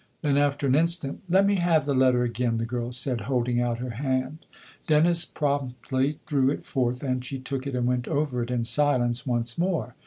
Then, after an instant, "Let me have the letter again," the girl said, holding out her hand. Dennis promptly drew it THE OTHER HOUSE 67 forth, and she took it and went over it in silence once more.